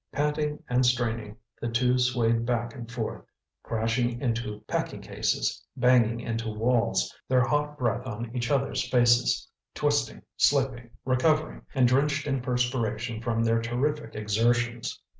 Panting and straining, the two swayed back and forth, crashing into packing cases, banging into walls, their hot breath on each other's faces—twisting, slipping, recovering—and drenched in perspiration from their terrific exertions.